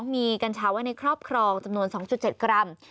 มีกัญชาไว้ในครอบครองจำนวน๒๗กรัม